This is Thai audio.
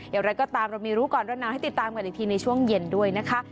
อย่างไรก็ตามเรามีรู้ก่อนร้อนหนาวให้ติดตามกันอีกทีในช่วงเย็นด้วยนะคะ